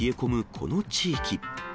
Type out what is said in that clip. この地域。